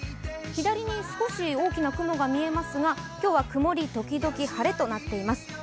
左に少し大きな雲が見えますが、今日は曇り時々晴れとなっています。